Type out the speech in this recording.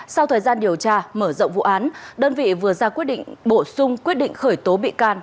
sau thời gian điều tra mở rộng vụ án đơn vị vừa ra quyết định bổ sung quyết định khởi tố bị can